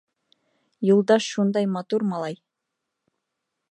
— Юлдаш шундай матур малай...